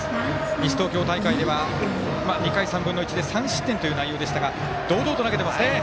西東京大会では、２回３分の１３失点という内容でしたが堂々と投げていますよね。